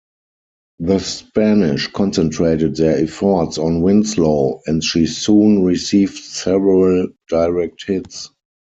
The Spanish concentrated their efforts on "Winslow", and she soon received several direct hits.